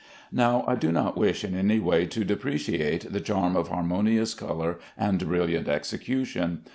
Now I do not wish in any way to depreciate the charm of harmonious color and brilliant execution.